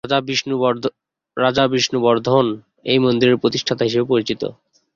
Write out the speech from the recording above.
রাজা বিষ্ণুবর্ধন এই মন্দিরের প্রতিষ্ঠাতা হিসেবে পরিচিত।